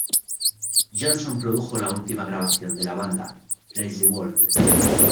Johnson produjo la última grabación de la banda, "Crazy world".